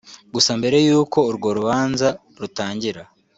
Gusa mbere y’uko urwo rubanza rutangira